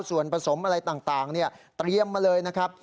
ส่วนผสมอะไรต่างเตรียมมาเลยนะครับ